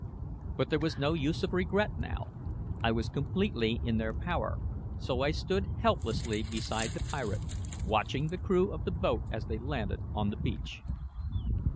But there was no use of regret now. I was completely in their power; so I stood helplessly beside the pirate, watching the crew of the boat as they landed on the beach.